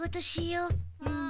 うん。